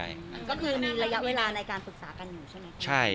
ในการศึกษากันอยู่ใช่มั้ย